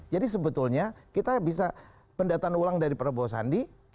jadi sebetulnya kita bisa pendatan ulang dari prabowo sandi